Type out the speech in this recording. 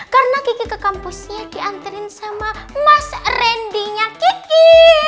karena kiki ke kampusnya dianterein sama mas rendi nya kiki